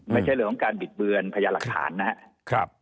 ไม่ใช่เรื่องของการบิดเบือนพยานหลักฐานนะครับ